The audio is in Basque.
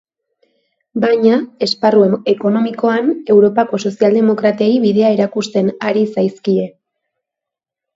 Baina, esparru ekonomikoan, europako sozialdemokratei bidea erakusten ari zaizkie.